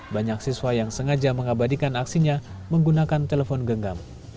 banyak siswa yang sengaja mengabadikan aksinya menggunakan telepon genggam